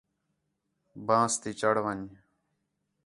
بانس تی چڑھ ون٘ڄ